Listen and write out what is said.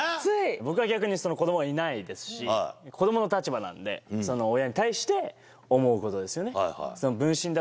僕は逆に子供がいないですし子供の立場なんで親に対して思うことですよね。